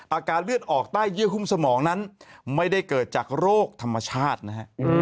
อาการเลือดออกใต้เยื่อหุ้มสมองนั้นไม่ได้เกิดจากโรคธรรมชาตินะฮะ